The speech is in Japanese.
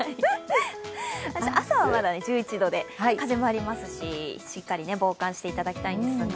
朝は１１度で、風もありますししっかり防寒していただきたいですが。